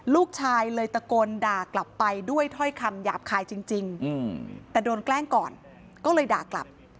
ลูกชายเลยตะโกนด่ากลับไปด้วยถ้อยคำหยาบคายจริงแต่โดนแกล้งก่อนก็เลยด่ากลับ